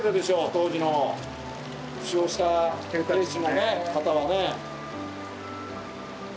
当時の負傷した兵士の方はね。